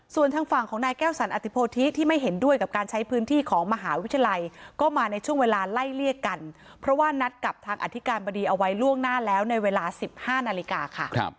ส่วนทางฝั่งของนายแก้วสันอธิโพธิที่ไม่เห็นด้วยกับการใช้พื้นที่ของมหาวิทยาลัยก็มาในช่วงเวลาไล่เลี่ยกันเพราะว่านัดกับทางอธิการบดีเอาไว้ล่วงหน้าแล้วในเวลา๑๕นาฬิกาค่ะ